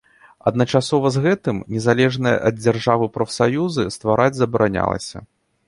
Адначасова з гэтым, незалежныя ад дзяржавы прафсаюзы ствараць забаранялася.